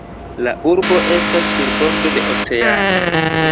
La urbo estas sur bordo de oceano.